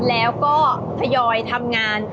แล้วก็ทยอยทำงาน